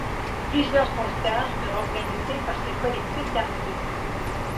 Plusieurs concerts furent organisés par ce collectif d'artistes.